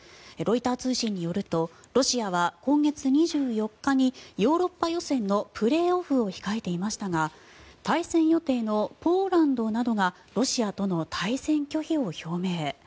ロイター通信によるとロシアは今月２４日にヨーロッパ予選のプレーオフを控えていましたが対戦予定のポーランドなどがロシアとの対戦拒否を表明。